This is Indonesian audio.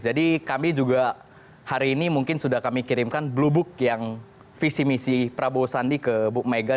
jadi kami juga hari ini mungkin sudah kami kirimkan blue book yang visi misi prabowo sandi ke ibu megawati